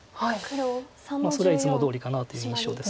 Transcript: それはいつもどおりかなという印象ですけど。